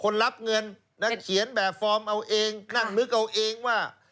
รับเงินนั้นเขียนแบบฟอร์มเอาเองนั่งนึกเอาเองว่า